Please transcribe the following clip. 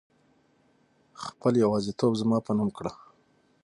خپل يوازيتوب زما په نوم کړه